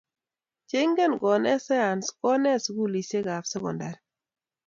cheingen konet sayansi konet sukulisiek ap sekondari